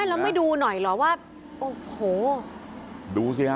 แล้วไม่ดูหน่อยเหรอว่าโอ้โหดูสิฮะ